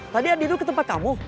tadi andi dulu ke tempat kamu